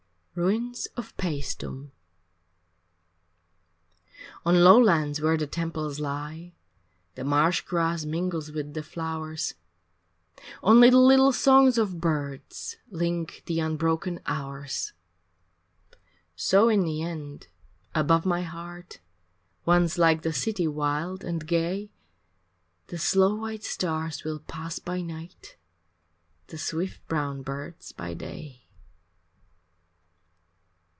VI Ruins of Paestum On lowlands where the temples lie The marsh grass mingles with the flowers, Only the little songs of birds Link the unbroken hours. So in the end, above my heart Once like the city wild and gay, The slow white stars will pass by night, The swift brown birds by day.